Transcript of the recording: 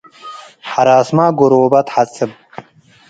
ሐራስመ ጎሮበ ተሐጽብ ።